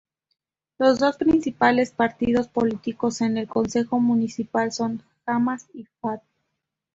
Los dos principales partidos políticos en el consejo municipal son Hamas y Fatah.